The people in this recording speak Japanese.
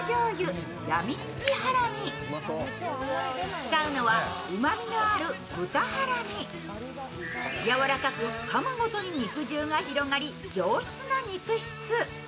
使うのは、うまみのある豚ハラミやわらかく、かむほどに肉汁が広がり、上質な肉質。